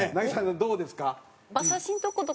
どうですか？